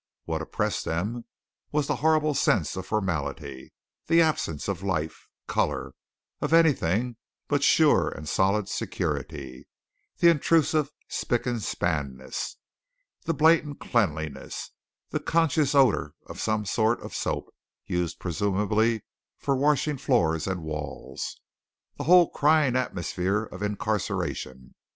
What oppressed them was the horrible sense of formality, the absence of life, colour, of anything but sure and solid security, the intrusive spick and spanness, the blatant cleanliness, the conscious odour of some sort of soap, used presumably for washing floors and walls, the whole crying atmosphere of incarceration.